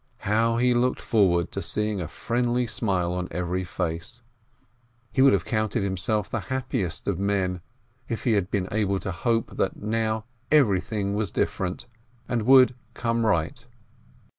How he looked forward to seeing a friendly smile on every face ! He would have counted himself the happiest of men, if he had been able to hope that now everything was different, and would come right.